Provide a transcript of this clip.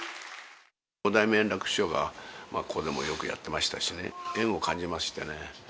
五代目圓楽師匠がここでもよくやってましたしね、縁を感じましてね。